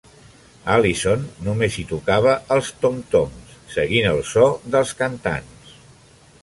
Allison només hi tocava els tom-toms, seguint el so dels cantants.